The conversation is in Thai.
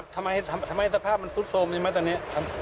ทำไมสภาพมันซุดโทรมดีไหมตอนนี้